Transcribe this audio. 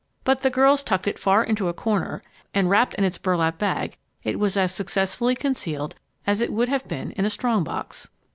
But the girls tucked it far into a corner, and, wrapped in its burlap bag, it was as successfully concealed as it would have been in a strong box.